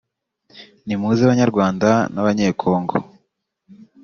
« Nimuze Banyarwanda n’Abanyekongo